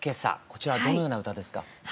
こちらどのような歌ですか？